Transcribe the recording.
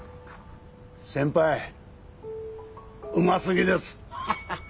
先輩うますぎです。ハハハ。